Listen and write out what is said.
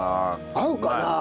合うかなあ？